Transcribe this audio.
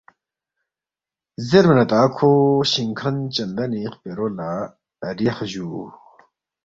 زیربا نہ تا کھو شِنگ کھن چندنی خپیرو لہ ریخ جُو